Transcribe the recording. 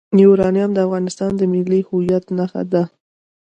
یورانیم د افغانستان د ملي هویت نښه ده.